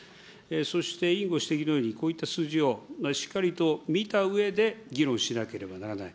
そして、委員ご指摘のように、こういった数字をしっかりと見たうえで議論しなければならない。